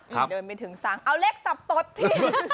เดินไปถึงซ้ำเอาเล็กสับตดที่